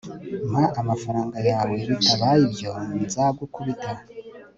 mpa amafaranga yawe bitabaye ibyo nzagukubita